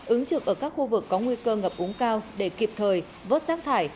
ứng trực ở các khu vực có nguy cơ ngập úng cao để kịp thời vớt rác thải